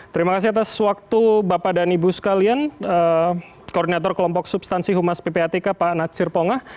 terima kasih atas waktu bapak dan ibu sekalian koordinator kelompok substansi humas ppatk pak natsir pongah